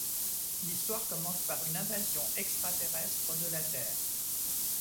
L'histoire commence par une invasion extraterrestre de la Terre.